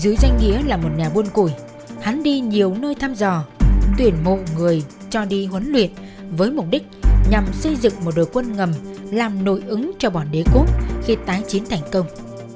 dưới danh nghĩa là một nhà buôn củi hắn đi nhiều nơi thăm dò tuyển mộ người cho đi huấn luyện với mục đích nhằm xây dựng một đội quân ngầm làm nội ứng cho bọn đế cốt khi tái chiến thành công